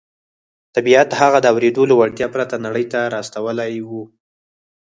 طبیعت هغه د اورېدو له وړتیا پرته نړۍ ته را استولی و